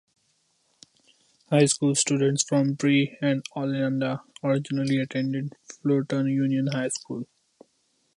High school students from Brea and Olinda originally attended Fullerton Union High School.